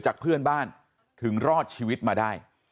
จากเพื่อนบ้านถึงรอดชีวิตมาได้